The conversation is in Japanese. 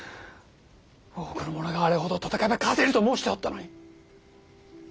多くの者があれほど戦えば勝てると申しておったのに。